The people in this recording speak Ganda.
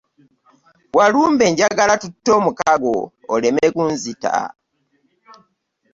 Walumbe njagala tutte omukago oleme kunzita.